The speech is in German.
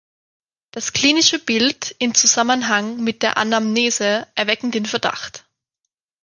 Das klinische Bild in Zusammenhang mit der Anamnese erwecken den Verdacht.